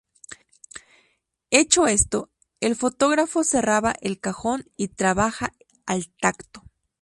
Hecho esto, el fotógrafo cerraba el cajón y trabajaba al tacto.